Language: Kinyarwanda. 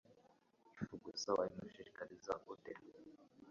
ifu gusa wabimushishikariza ute